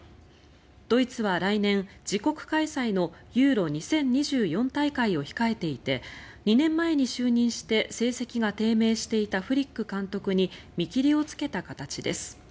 ドイツは来年、自国開催のユーロ２０２４大会を控えていて２年前に就任して成績が低迷していたフリック監督に見切りをつけた形です。